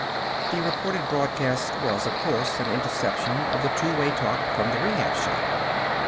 The reported broadcast was, of course, an interception of the two way talk from the Rehab Shop.